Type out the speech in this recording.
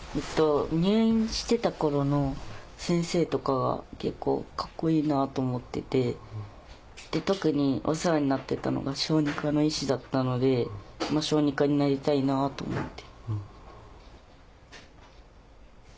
入院してた頃の先生とかが結構カッコいいなと思ってて特にお世話になってたのが小児科の医師だったので小児科医になりたいなぁと思って。